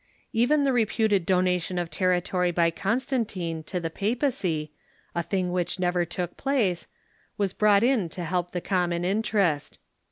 Even the reputed donation of territory by Constantine to the papacy — a thing which never took place — was brought in to help the common interest.